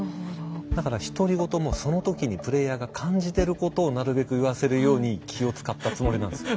だから独り言もその時にプレイヤーが感じてることをなるべく言わせるように気を遣ったつもりなんです。